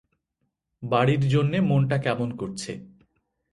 বাড়ির জন্যে মনটা কেমন করছে।